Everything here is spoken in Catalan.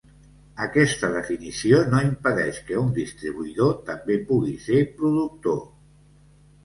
Aquesta definició no impedeix que un distribuïdor també pugui ser productor.